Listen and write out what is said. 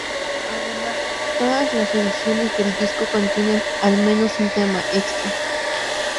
Además, todas las ediciones del disco contienen al menos un tema extra.